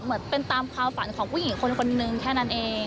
เหมือนเป็นตามความฝันของผู้หญิงคนนึงแค่นั้นเอง